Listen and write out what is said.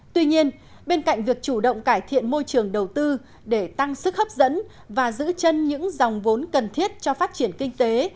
tuy nhiên bên cạnh việc chủ động cải thiện môi trường đầu tư để tăng sức hấp dẫn và giữ chân những dòng vốn cần thiết cho phát triển kinh tế